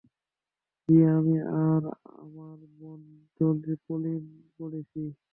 জি, আমি আর আমার বোন পলিন পড়েছি।